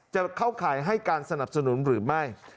จะเข้าข่ายให้การสนับสนุนหรือไม่